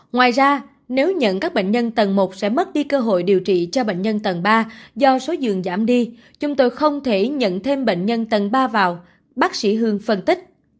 ngoài ra nếu nhận các bệnh nhân tầng một sẽ mất đi cơ hội điều trị cho bệnh nhân tầng ba do số giường giảm đi chúng tôi không thể nhận thêm bệnh nhân tầng ba vào bác sĩ hương phân tích